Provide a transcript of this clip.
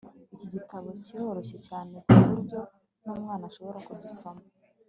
Iki gitabo kiroroshye cyane kuburyo numwana ashobora kugisoma